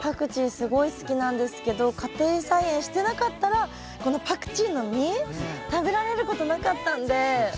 すごい好きなんですけど家庭菜園してなかったらこのパクチーの実食べられることなかったんで。